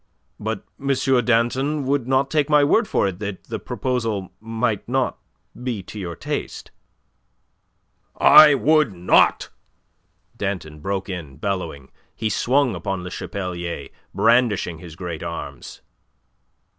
"But M. Danton would not take my word for it that the proposal might not be to your taste." "I would not!" Danton broke in, bellowing. He swung upon Le Chapelier, brandishing his great arms.